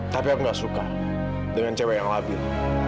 tapi aku gak suka dengan cewek yang labil